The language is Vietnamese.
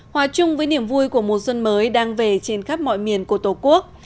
hòa chung với niềm vui của mùa xuân mới đang về trên khắp mọi miền của tổ quốc